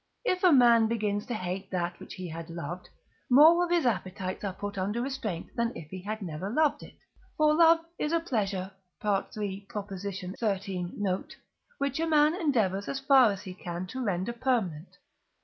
If a man begins to hate that which he had loved, more of his appetites are put under restraint than if he had never loved it. For love is a pleasure (III. xiii. note) which a man endeavours as far as he can to render permanent (III.